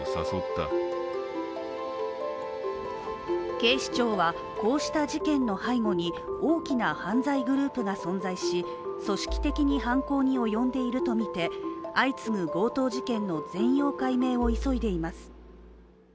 警視庁はこうした事件の背後に大きな犯罪グループが存在し、組織的に犯行に及んでいるとみて相次ぐ強盗事件の全容解明を急いでいます。